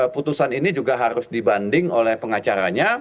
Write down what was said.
putusan ini juga harus dibanding oleh pengacaranya